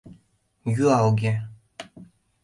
Юалге.